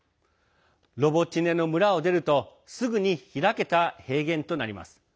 ロボティネの村を出るとすぐに開けた平原となります。